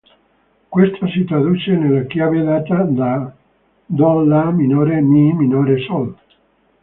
Questa si traduce nella chiave data da Do-La minore-Mi minore-Sol.